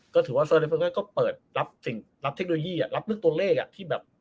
ก็ถือว่าเซอร์เล็กมีก็เปิดรับเทคโนโลยีรับวิเคราะห์ตัวเลขที่แบบ